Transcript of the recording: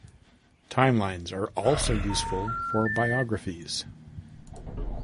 Timelines are also useful for biographies.